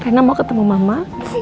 reina mau ketemu mama